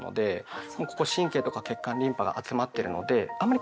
ここ神経とか血管リンパが集まってるのであんまり